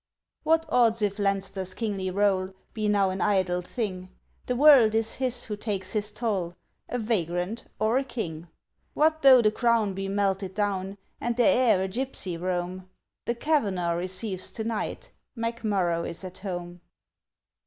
What odds if Leinster's kingly roll Be now an idle thing? The world is his who takes his toll, A vagrant or a king. What though the crown be melted down, And the heir a gypsy roam? The Kavanagh receives to night! McMurrough is at home!